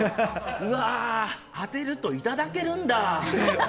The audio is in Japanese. うわー当てるといただけるんだ！